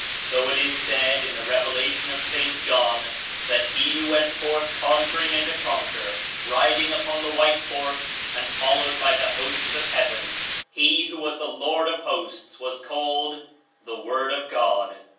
So It Is said In the Revelation of St. John that he who went forth conquering and to conquer, riding upon the white horse and followed by the hosts of heaven, he who was the Lord of hosts, was called: The Word of God.